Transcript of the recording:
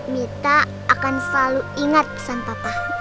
mita akan selalu ingat pesan papa